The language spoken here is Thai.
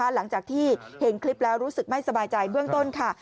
หลังจากที่เห็นคลิปแล้วรู้สึกไม่สบายใจเบื้องต้นค่ะ